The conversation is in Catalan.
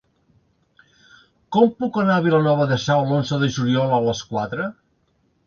Com puc anar a Vilanova de Sau l'onze de juliol a les quatre?